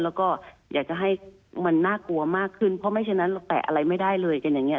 แล้วก็อยากจะให้มันน่ากลัวมากขึ้นเพราะไม่ฉะนั้นเราแปะอะไรไม่ได้เลยกันอย่างนี้